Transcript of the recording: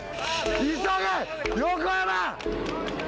急げ横山！